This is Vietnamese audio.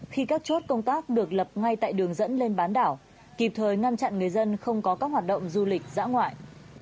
khi các chốt công tác được lập ngay tại đường dẫn lên bán đảo kịp thời ngăn chặn người dân không có các hoạt động du lịch dã ngoại